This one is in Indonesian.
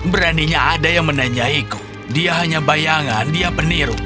beraninya ada yang menanyaiku dia hanya bayangan dia peniru